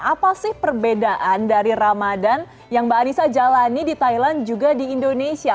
apa sih perbedaan dari ramadan yang mbak anissa jalani di thailand juga di indonesia